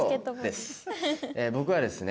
僕はですね